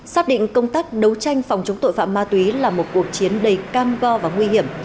xác định công tác đấu tranh phòng chống tội phạm ma túy là một cuộc chiến đầy cam go và nguy hiểm